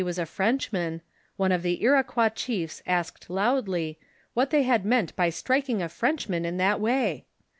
was a Frenchman, one of the Iroquois chiefs asked loudly, what they had meant by striking a Frenchman in that way